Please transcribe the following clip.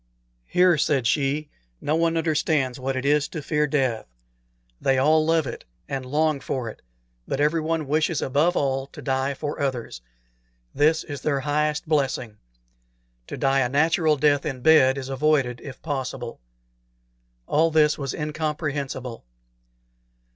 "Here," said she, "no one understands what it is to fear death. They all love it and long for it; but everyone wishes above all to die for others. This is their highest blessing. To die a natural death in bed is avoided if possible." All this was incomprehensible.